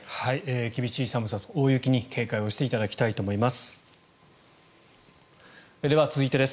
厳しい寒さと大雪に警戒していただきたいと思います。